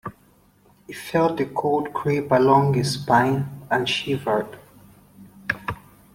He felt the cold creep along his spine, and shivered.